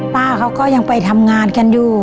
ป้าเขาก็ยังไปทำงานกันอยู่